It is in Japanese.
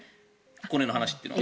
この辺の話というのは。